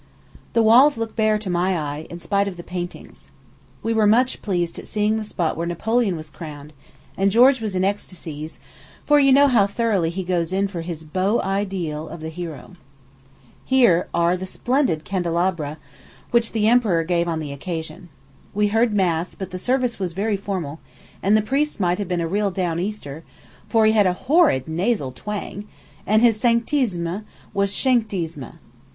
The walls look bare to my eye, in spite of the paintings. We were much pleased at seeing the spot where Napoleon was crowned; and George was in ecstasies, for you know how thoroughly he goes in for his beau ideal of the hero. Here are, the splendid candelabra which the emperor gave on the occasion. We heard mass, but the service was very formal, and the priest might have been a real downeaster, for he had a horrid nasal twang, and his "sanctissime" was "shanktissime."